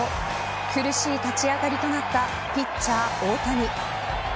苦しい立ち上がりとなったピッチャー大谷。